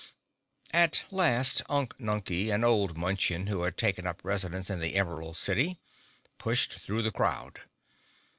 At last Unk Nunkie, an old Munchkin who had taken up residence in the Emerald City, pushed through the crowd.